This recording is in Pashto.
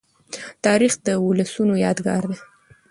تاریخ د ولسونو یادګار دی.